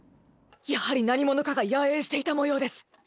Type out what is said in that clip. やはり何者かが野営していたもようです。